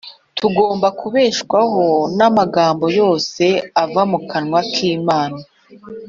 . Tugomba kubeshwaho “n’amagambo yose ava mu kanwa k’Imana.